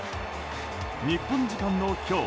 日本時間の今日